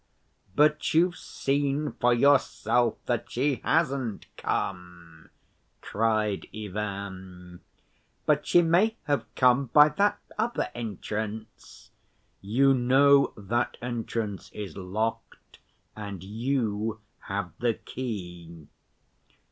"But you've seen for yourself that she hasn't come," cried Ivan. "But she may have come by that other entrance." "You know that entrance is locked, and you have the key."